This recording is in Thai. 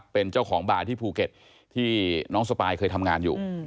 เป็นเจ้าของบาร์ที่ภูเก็ตที่น้องสปายเคยทำงานอยู่